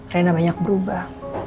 renna banyak berubah